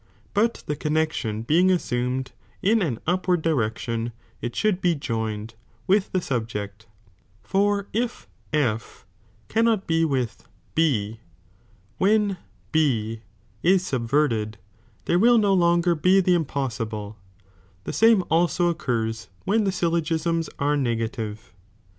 But (the connexion being an upward direction, (it should be joined) with the subject, for if F cannot be with B, when B is subverted, there will no longer bo the impossible, the same also occurs when the syllogisms are negative.